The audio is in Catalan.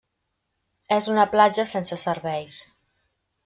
És una platja sense serveis.